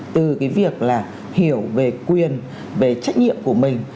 từ cái việc là hiểu về quyền về trách nhiệm của mình